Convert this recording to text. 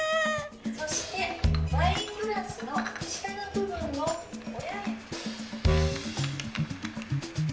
そしてワイングラスの下の部分を親指。